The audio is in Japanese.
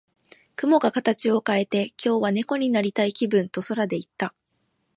雲が形を変えて、「今日は猫になりたい気分」と空で言った。